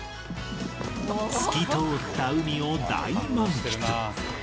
透き通った海を大満喫。